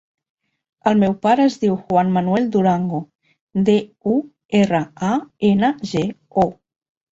El meu pare es diu Juan manuel Durango: de, u, erra, a, ena, ge, o.